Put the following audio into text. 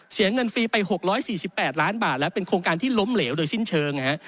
เสียเงินฟรีไป๖๔๘ล้านบาทแล้วเป็นโครงการที่ล้มเหลวโดยสิ้นเชิง